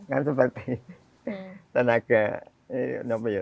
kan seperti tenaga